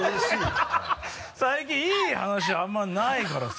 最近いい話あんまりないからさ。